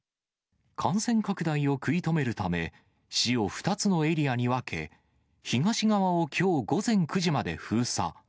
感染拡大を食い止めるため、市を２つのエリアに分け、東側をきょう午前９時まで封鎖。